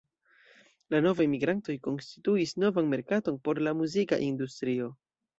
La novaj migrantoj konstituis novan merkaton por la muzika industrio.